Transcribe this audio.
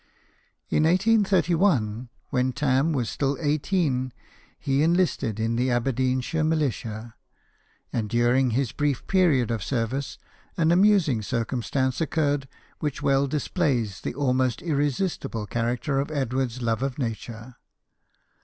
In 1831, when Tarn was still eighteen, he enlisted in the Aberdeenshire militia, and during his brief period of service an amusing circum stance occurred which well displays the almost irresistible character of Edward's love of nature.